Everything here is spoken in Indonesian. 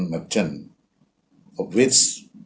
dari mana delapan puluh enam adalah